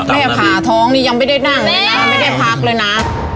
ผ่าท้องนี่ยังไม่ได้นั่งเลยนะไม่ได้พักเลยนะ